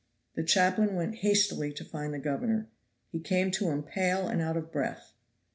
The chaplain went hastily to find the governor. He came to him pale and out of breath.